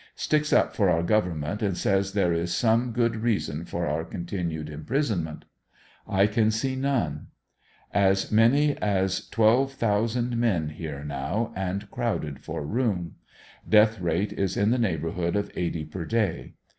Sticks up for our government and says there is some good reason for our continued imprisonment. I can see none. As many as 12,000 men here now, and crowded for room. Death rate is in the neighborhood of eighty per day.